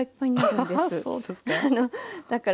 そうですか。